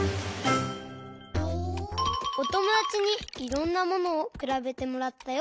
おともだちにいろんなものをくらべてもらったよ！